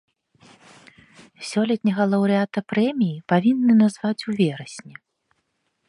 Сёлетняга лаўрэата прэміі павінны назваць у верасні.